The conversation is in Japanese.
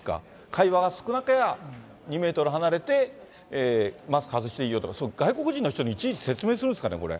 会話が少なければ２メートル離れてマスク外していいよとか、外国人の人にいちいち説明するんですかね、これ。